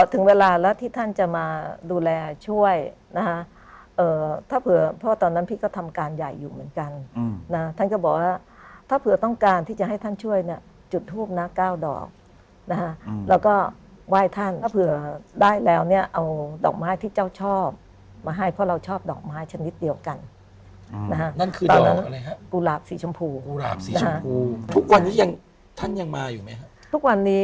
คุณจูซี่บอกว่าเป็นภาพติดวิญญาณ